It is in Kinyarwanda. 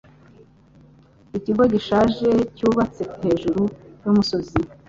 Ikigo gishaje cyubatse hejuru yumusozi.